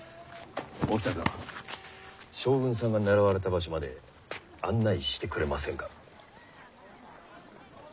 沖田君将軍さんが狙われた場所まで案内してくれませんか？